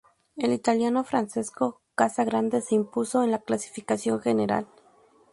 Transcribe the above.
El italiano Francesco Casagrande se impuso en la clasificación general.